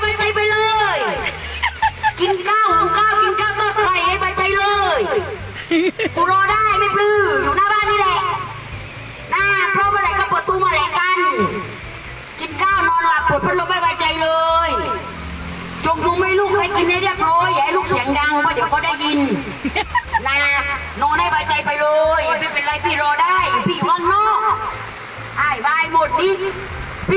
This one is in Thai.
ไม่เป็นไรกูรอมึงกูรอมึงได้